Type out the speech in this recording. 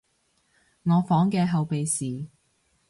我房嘅後備匙